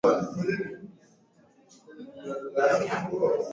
Imetayarishwa na Kennes Bwire sauti ya amerika Washington